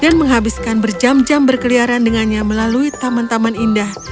dan menghabiskan berjam jam berkeliaran dengannya melalui taman taman indah